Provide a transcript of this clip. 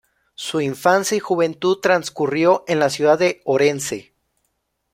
Su infancia y juventud transcurrió en la ciudad de Orense.